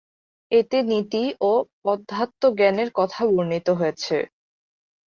এতে নীতি ও অধ্যাত্মজ্ঞানের কথা বর্ণিত হয়েছে।